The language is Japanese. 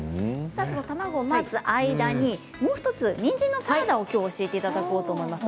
卵を待つ間に、もう１つにんじんのサラダを教えていただこうと思います。